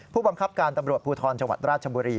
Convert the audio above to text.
ผู้บังคับการตำรวจภูทรจังหวัดราชบุรี